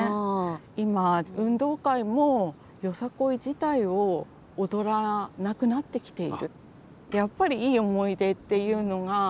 今運動会も「よさこい」自体を踊らなくなってきている。